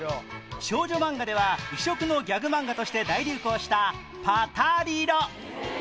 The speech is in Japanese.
少女マンガでは異色のギャグマンガとして大流行した『パタリロ』